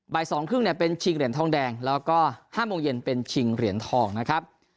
๒๓๐เนี่ยเป็นชิงเหรียญทองแดงแล้วก็๕โมงเย็นเป็นชิงเหรียญทองนะครับ